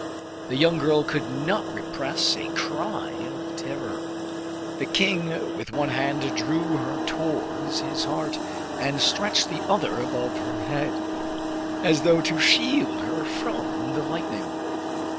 The young girl could not repress a cry of terror. The king with one hand drew her towards his heart, and stretched the other above her head, as though to shield her from the lightning.